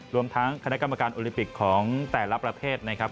รวมทั้งคณะกรรมการโอลิมปิกของแต่ละประเทศนะครับ